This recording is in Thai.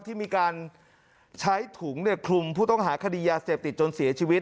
ที่มีการใช้ถุงคลุมผู้ต้องหาคดียาเสพติดจนเสียชีวิต